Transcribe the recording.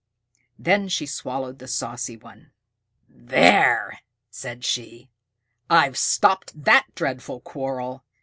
Then she swallowed the Saucy Crayfish. "There!" said she. "I've stopped that dreadful quarrel."